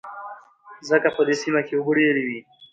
ځکه په دې سيمه کې اوبه ډېر وې.